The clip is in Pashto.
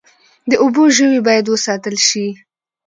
د اوبو ژوي باید وساتل شي